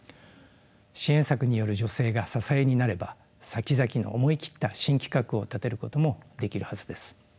支援策による助成が支えになればさきざきの思い切った新企画を立てることもできるはずです。